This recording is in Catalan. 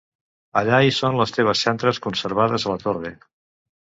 Allà hi són les seves cendres, conservades a la torre.